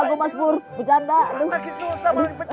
bersama sama mas dur langsung gue cabut